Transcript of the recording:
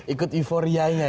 ikut euforianya gitu ya